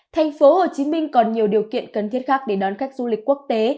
tp hcm còn nhiều điều kiện cần thiết khác để đón khách du lịch quốc tế